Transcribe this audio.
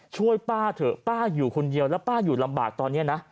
ช่วยป้าเถอะป้าอยู่คนเดียวแล้วป้าอยู่ลำบากตอนนี้นะ